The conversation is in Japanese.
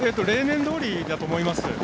例年どおりだと思います。